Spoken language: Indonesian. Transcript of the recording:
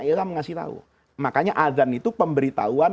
al iklam memberi tahu